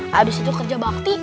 habis itu kerja bakti